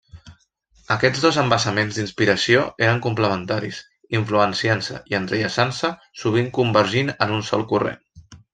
Aquests dos embassaments d'inspiració eren complementaris, influenciant-se i entrellaçant-se, sovint convergint en un sol corrent.